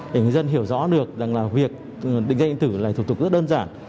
để người dân hiểu rõ được rằng là việc định danh điện tử là thủ tục rất đơn giản